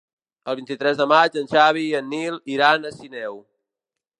El vint-i-tres de maig en Xavi i en Nil iran a Sineu.